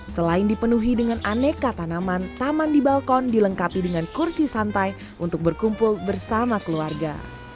selain dipenuhi dengan aneka tanaman taman di balkon dilengkapi dengan kursi santai untuk berkumpul bersama keluarga